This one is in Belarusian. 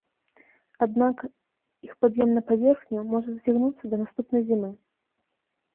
Аднак іх пад'ём на паверхню можа зацягнуцца да наступнай зімы.